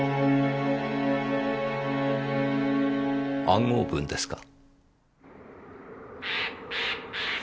暗号文ですか。